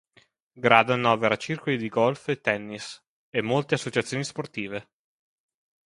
Grado annovera circoli di golf e tennis, e molte associazioni sportive.